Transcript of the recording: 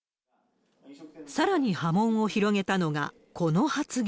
さらに波紋を広げたのがこの発言。